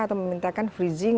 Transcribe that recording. atau memintakan freezing